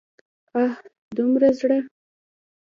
اه! دومره زړه!